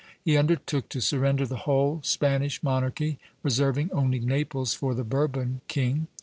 He undertook to surrender the whole Spanish monarchy, reserving only Naples for the Bourbon king.